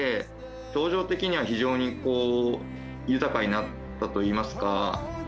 表情的には非常に豊かになったといいますか。